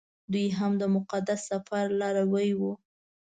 دوی هم د مقدس سفر لاروي وو.